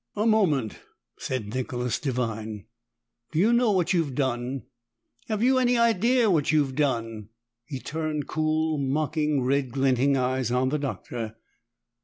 "A moment," said Nicholas Devine. "Do you know what you've done? Have you any idea what you've done?" He turned cool, mocking, red glinting eyes on the Doctor.